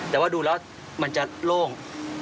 แต่ว่าดูแล้วมันจะโล่ง